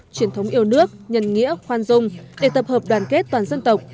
truyền thống yêu nước nhân nghĩa khoan dung để tập hợp đoàn kết toàn dân tộc